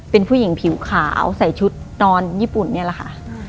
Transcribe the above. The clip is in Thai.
เป็นผู้หญิงผิวขาวใส่ชุดนอนญี่ปุ่นนี่แหละค่ะ